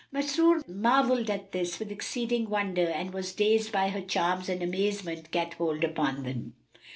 Masrur marvelled at this with exceeding wonder and was dazed by her charms and amazement gat hold upon him.